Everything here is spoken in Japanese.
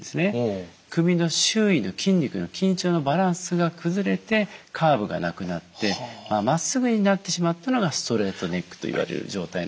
首の周囲の筋肉の緊張のバランスが崩れてカーブがなくなってまっすぐになってしまったのがストレートネックといわれる状態なんですね。